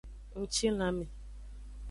Ngcilanme.